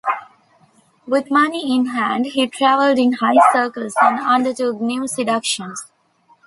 With money in hand, he traveled in high circles and undertook new seductions.